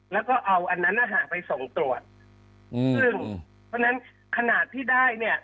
แล้วก็เอาอันนั้นนะฮะไปส่งตรวจอืมซึ่งเพราะฉะนั้นขนาดที่ได้เนี่ย